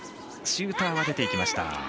シューターが出ていきました。